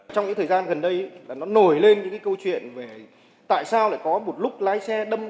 trong những thời gian gần đây nó nổi lên những câu chuyện về tại sao lại có một lúc lái xe đâm bỏ